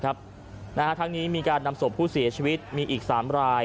ครับนะฮะทางนี้มีการนำศพผู้เสียชีวิตมีอีกสามราย